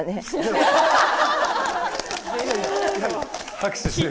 拍手してる。